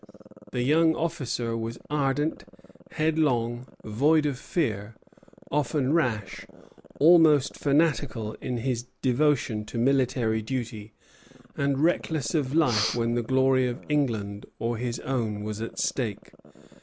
The young officer was ardent, headlong, void of fear, often rash, almost fanatical in his devotion to military duty, and reckless of life when the glory of England or his own was at stake.